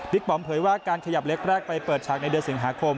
ปอมเผยว่าการขยับเล็กแรกไปเปิดฉากในเดือนสิงหาคม